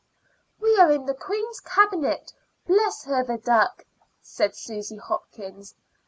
"We are in the queen's Cabinet, bless her, the duck!" said Susy Hopkins.